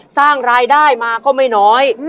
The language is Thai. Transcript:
สร้างรายได้มาก็ไม่น้อย